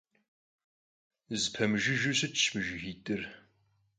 Zepemıjjıjeu şıtş mı jjıgit'ır.